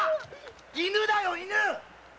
犬だよ犬！